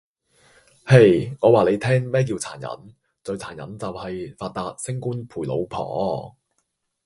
嘿!我話你聽咩叫殘忍，最殘忍就喺“發達，升官，陪老婆”!